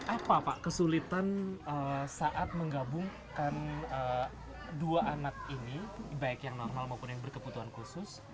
apa pak kesulitan saat menggabungkan dua anak ini baik yang normal maupun yang berkebutuhan khusus